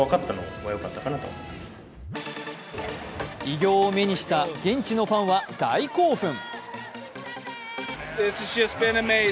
偉業を目にした現地のファンは大興奮。